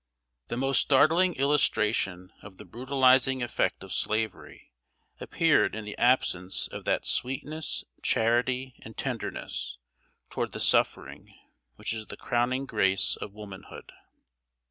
The most startling illustration of the brutalizing effect of Slavery appeared in the absence of that sweetness, charity, and tenderness toward the suffering, which is the crowning grace of womanhood.